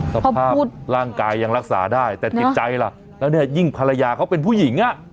สภาพร่างกายยังรักษาได้แต่จิตใจล่ะแล้วเนี่ยยิ่งภรรยาเขาเป็นผู้หญิงอ่ะ